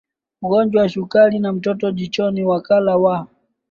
ugonjwa wa sukari na mtoto jichoni Wakala wa